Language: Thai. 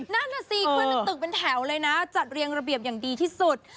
นั่นน่ะสิขึ้นเป็นตึกเป็นแถวเลยนะจัดเรียงระเบียบอย่างดีที่สุด